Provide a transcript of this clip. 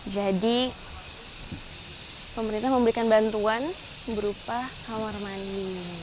jadi pemerintah memberikan bantuan berupa kamar mandi